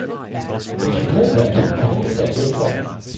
If you pull that the whole stack will fall.